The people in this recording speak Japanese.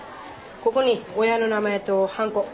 ここに親の名前とはんこ。